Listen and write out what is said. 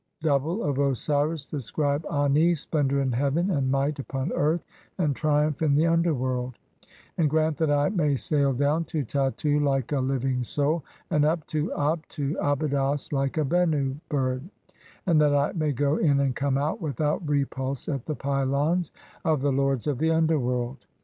e., double) of Osiris, the scribe Ani, splendour in heaven, "and might upon earth, and triumph in the underworld ; and "grant that I may sail down (n) to Tattu like a (12) living soul "and up to (i3) Abtu (Abydos) like a Bennu 3 bird ; and that I "may go in and come out (14) without repulse at the pylons 4 "(15) of the lords of the underworld.